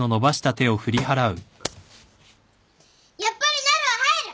やっぱりなるは入る！